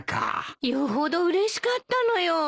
よほどうれしかったのよ。